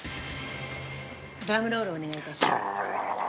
ドラムロールお願い致します。